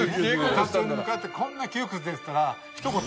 座長に向かって「こんな窮屈です！」って言ったらひと言